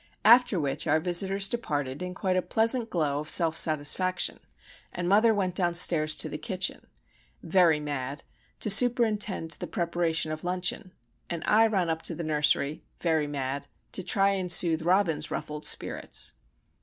After which our visitors departed in quite a pleasant glow of self satisfaction; and mother went downstairs to the kitchen,—very mad,—to superintend the preparation of luncheon; and I ran up to the nursery,—very mad,—to try and soothe Robin's ruffled spirits.